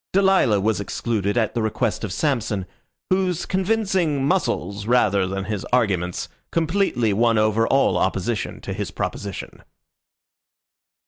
Delilah was excluded at the request of Samson, whose convincing muscles, rather than his arguments, completely won over all opposition to his proposition.